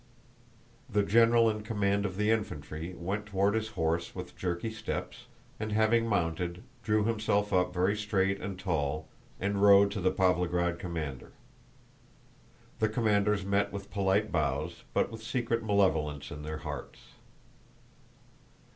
The general in command of the infantry went toward his horse with jerky steps, and having mounted drew himself up very straight and tall and rode to the Pávlograd commander. The commanders met with polite bows but with secret malevolence in their hearts.